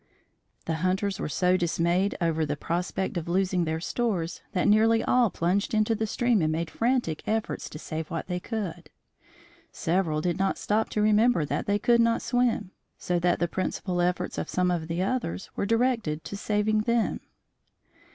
The hunters were so dismayed over the prospect of losing their stores that nearly all plunged into the stream and made frantic efforts to save what they could. Several did not stop to remember that they could not swim, so that the principal efforts of some of the others were directed to saving them.